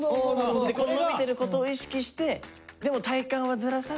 ここ伸びてることを意識してでも体幹はずらさずに。